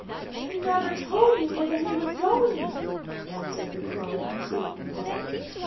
'He never told me whither he was going,' answered the crone, shaking her head.